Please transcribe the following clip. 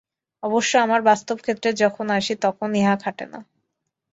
অবশ্য আমরা বাস্তব-ক্ষেত্রে যখন আসি, তখন ইহা খাটে না।